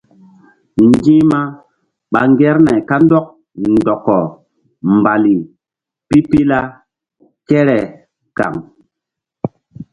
Nzi̧hma ɓa ŋgernay kandɔk ndɔkɔ mbali pipila kere kaŋ.